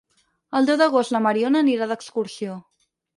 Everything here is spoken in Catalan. El deu d'agost na Mariona anirà d'excursió.